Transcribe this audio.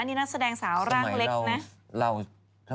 อันนี้น่าแสดงสาวร่างเล็กนะ